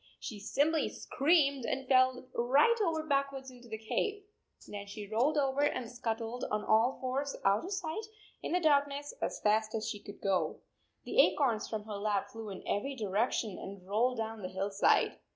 She simply screamed and fell right over backwards into the cave. Then she rolled over and scuttled on all fours out of sight in the darkness as fast as she could go. The acorns from her lap flew in every direction and rolled down the hillside.